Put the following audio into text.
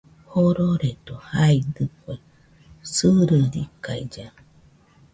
Jororedo jaidɨkue sɨrɨrikailla.